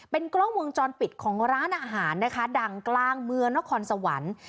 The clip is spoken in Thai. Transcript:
กล้องวงจรปิดของร้านอาหารนะคะดังกลางเมืองนครสวรรค์